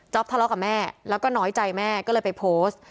ทะเลาะกับแม่แล้วก็น้อยใจแม่ก็เลยไปโพสต์